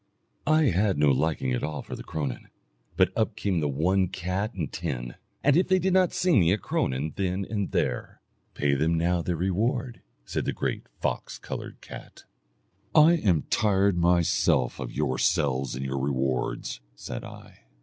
I had no liking at all for the cronan, but up came the one cat and ten, and if they did not sing me a cronan then and there! 'Pay them now their reward,' said the great fox coloured cat. 'I am tired myself of yourselves and your rewards,' said I.